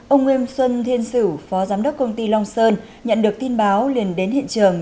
ông nguyễn xuân thiên sử phó giám đốc công ty long sơn nhận được tin báo liền đến hiện trường